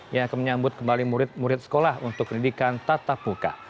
yang akan menyambut kembali murid murid sekolah untuk pendidikan tatap muka